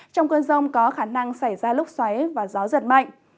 trong cơn rông có khả năng xảy ra lúc xoáy và gió giật mạnh